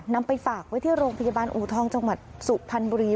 ไปฝากไว้ที่โรงพยาบาลอูทองจังหวัดสุพรรณบุรี